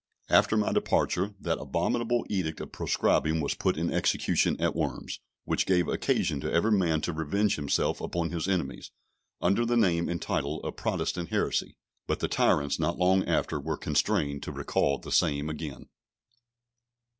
After my departure, that abominable edict of proscribing was put in execution at Worms, which gave occasion to every man to revenge himself upon his enemies, under the name and title of Protestant heresy. But the tyrants, not long after, were constrained to recall the same again.